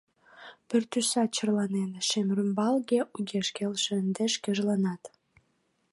Пӱртӱсат черланен, шем рӱмбалге Огеш келше ынде шкежланат.